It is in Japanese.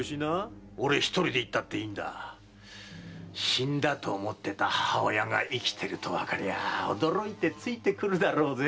死んだと思ってた母親が生きてるとわかりゃ驚いてついてくるぜ。